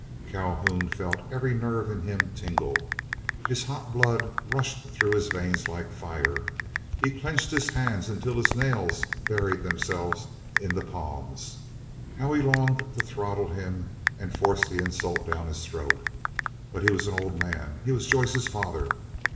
Calhoun felt every nerve in him tingle. His hot blood rushed through his veins like fire, he clenched his hands until his nails buried themselves in the palms. How he longed to throttle him and force the insult down his throat! But he was an old man; he was Joyce's father.